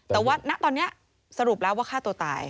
แต่วัดนั้นตอนนี้สรุปแล้วค่าตัวตาย